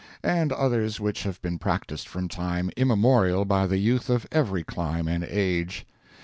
and others which have been practised from time immemorial by the youth of every clime and age.